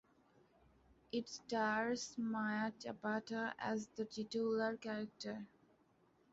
It stars Maya Zapata as the titular character.